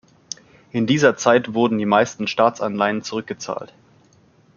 In dieser Zeit wurden die meisten Staatsanleihen zurückgezahlt.